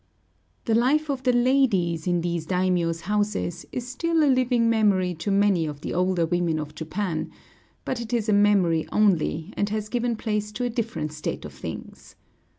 The life of the ladies in these daimiōs' houses is still a living memory to many of the older women of Japan; but it is a memory only, and has given place to a different state of things.